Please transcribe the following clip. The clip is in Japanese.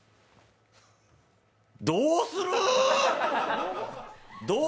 どうする？